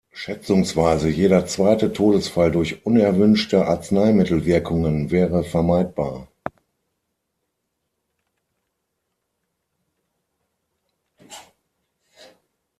Schätzungsweise jeder zweite Todesfall durch unerwünschte Arzneimittelwirkungen wäre vermeidbar.